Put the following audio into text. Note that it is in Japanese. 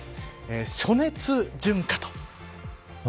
暑熱順化と。